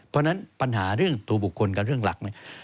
เพราะฉะนั้นปัญหาเรื่องตัวบุคคลกับเรื่องหลักเนี่ย